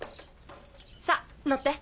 さぁ乗って。